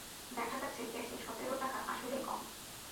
দেখা যাচ্ছে ক্যাশে সতের টাকা আসলেই কম।